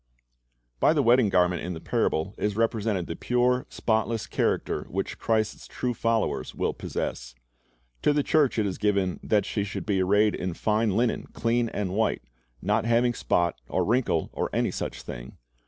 By the wedding garment in the parable is represented the pure, spotless character which Christ's true followers will possess. To the church it is given "that she should be arrayed in fine linen, clean and white," "not having spot, or wrinkle, or any such thing."